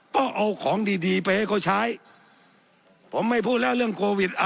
ก็เอาของดีดีไปให้เขาใช้ผมไม่พูดแล้วเรื่องโควิด